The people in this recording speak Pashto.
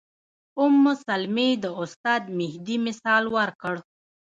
ام سلمې د استاد مهدي مثال ورکړ.